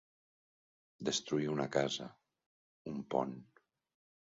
Destruir una casa, un pont.